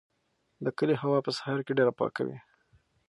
د کلي هوا په سهار کې ډېره پاکه وي.